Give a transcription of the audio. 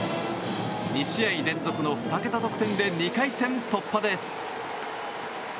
２試合連続の２桁得点で２回戦突破です。